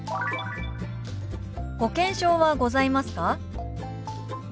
「保険証はございますか？」。